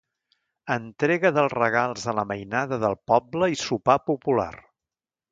Entrega dels regals a la mainada del poble i sopar popular.